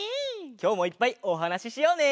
きょうもいっぱいおはなししようね！